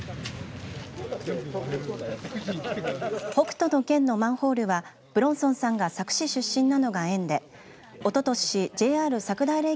北斗の拳のマンホールは武論尊さんが佐久市出身なのが縁でおととしＪＲ佐久平駅